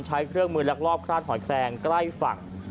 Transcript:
ใช้เครื่องมือลักลอบคลาดหอยแคลงใกล้ฝั่ง